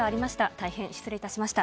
大変失礼いたしました。